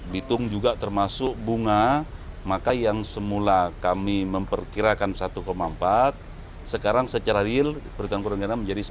bitung juga termasuk bunga maka yang semula kami memperkirakan satu empat sekarang secara real perhitungan perundangan menjadi satu